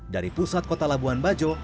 dari pusat kota labuan bajo